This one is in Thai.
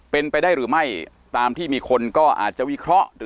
เป็นไปได้หรือไม่ตามที่มีคนก็อาจจะวิเคราะห์หรือ